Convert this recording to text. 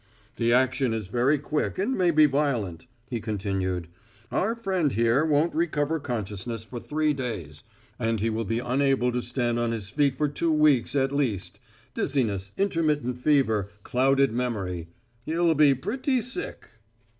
"The action is very quick, and may be violent," he continued. "Our friend here won't recover consciousness for three days, and he will be unable to stand on his feet for two weeks, at least dizziness, intermittent fever, clouded memory; he'll be pretty sick."